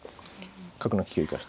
角の利きを生かして。